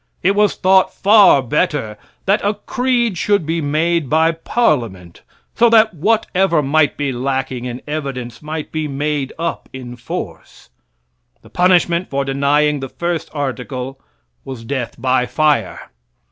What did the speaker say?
It was thought far better that a creed should be made by Parliament, so that whatever might be lacking in evidence might be made up in force. The punishment for denying the first article was death by fire.